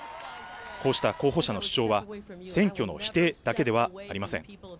こうした候補者の主張は選挙の否定だけではありません。